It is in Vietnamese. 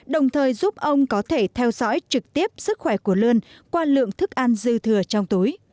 đồng thời giúp ông có thể theo dõi trực tiếp sức khỏe của lươn qua lượng thức ăn dư thừa trong túi